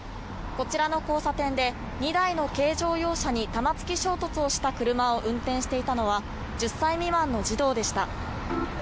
こちらの交差点で２台の軽乗用車に玉突き衝突した車を運転していたのは１０歳未満の児童でした。